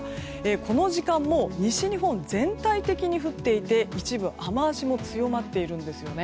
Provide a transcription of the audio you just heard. この時間も西日本全体的に降っていて一部、雨脚も強まっています。